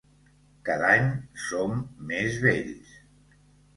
Cada any som més vells.